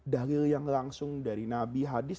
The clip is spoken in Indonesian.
dahlil yang langsung dari nabi hadis